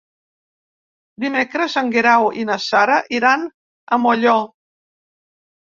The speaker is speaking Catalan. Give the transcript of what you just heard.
Dimecres en Guerau i na Sara iran a Molló.